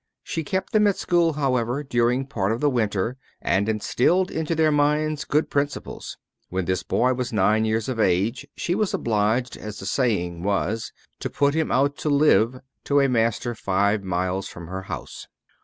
She kept them at school, however, during part of the winter, and instilled into their minds good principles. When this boy was nine years of age she was obliged, as the saying was, "to put him out to live" to a master five miles from her house.